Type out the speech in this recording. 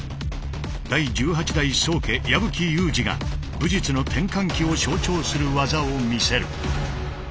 第十八代宗家矢吹裕二が武術の転換期を象徴する技を見せる。